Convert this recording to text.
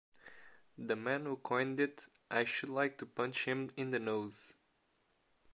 The man who coined it, I should like to punch him in the nose.